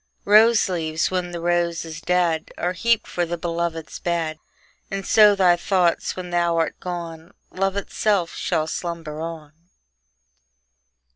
Rose leaves, when the rose is dead, Are heaped for the beloved's bed; And so thy thoughts, when thou art gone, Love itself shall slumber on.